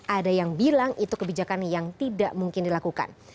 ada yang bilang itu kebijakan yang tidak mungkin dilakukan